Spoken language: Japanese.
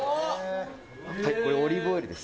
これ、オリーブオイルです。